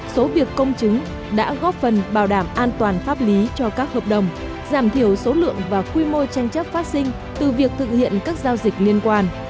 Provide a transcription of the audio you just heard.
số việc công chứng đã góp phần bảo đảm an toàn pháp lý cho các hợp đồng giảm thiểu số lượng và quy mô tranh chấp phát sinh từ việc thực hiện các giao dịch liên quan